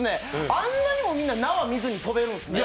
あんなにもみんな、縄見ずに跳べるんですね。